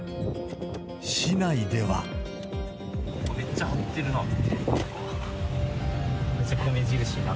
めっちゃ貼ってるな。